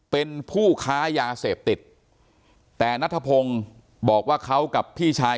เป็นผู้ค้ายาเสพติดแต่นัทธพงศ์บอกว่าเขากับพี่ชาย